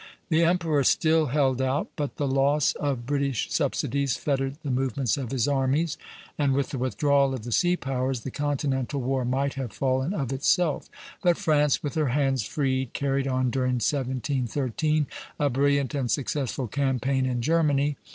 The emperor still held out, but the loss of British subsidies fettered the movements of his armies, and with the withdrawal of the sea powers the continental war might have fallen of itself; but France with her hands freed carried on during 1713 a brilliant and successful campaign in Germany.